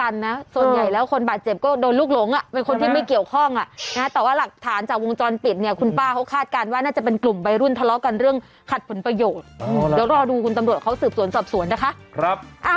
เดี๋ยวรอดูคุณตำรวจเขาสืบสวนสอบสวนนะคะ